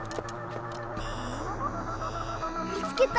見つけた！